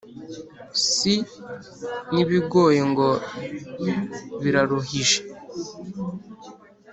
si n’ibigoye ngo biraruhije